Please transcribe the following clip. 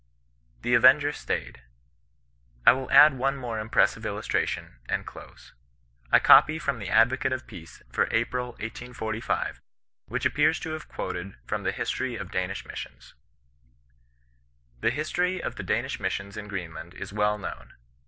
THE AVENGBB STAYED. I will add one more impressive iUustration, and close. I copy from the Advocate of Peace for April, 1846, which appears to have quoted from the History of Danish Mis sions ;— 158 OHBISTIAN NOK BESISTAMOB. " The histonr of the Danish missions in Greenland is well known.